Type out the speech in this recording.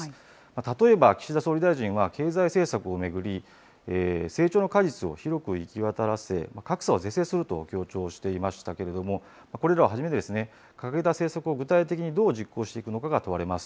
例えば、岸田総理大臣は経済政策を巡り、成長の果実を広く行き渡らせ、格差を是正すると強調していましたけれども、これらをはじめ、掲げた政策を具体的にどう実行していくのかが問われます。